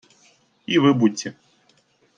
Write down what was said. И вы будьте.